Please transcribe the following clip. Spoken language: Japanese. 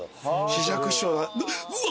枝雀師匠うわ